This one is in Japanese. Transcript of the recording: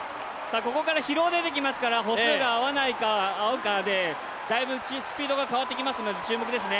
ここから疲労が出てきますから、歩数が合わないか合うかでだいぶスピードが変わってきますので、注目ですね。